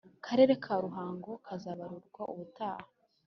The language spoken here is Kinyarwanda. Karere ka Ruhango kazabarurwa ubutaha